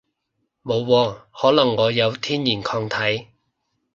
冇喎，可能我有天然抗體